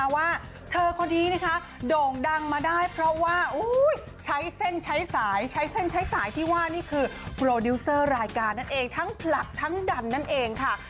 ว่าเธอคนนี้นะคะโด่งดังมาได้เพราะว่าใช้เส้นใช้สายใช้เส้นใช้สายที่ว่านี่คือโปรดิวเซอร์รายการนั่นเองทั้งผลักทั้งดันนั่นเองค่ะ